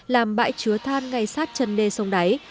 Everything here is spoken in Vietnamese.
làm bãi chứa than ngay sát chân đê sông đáy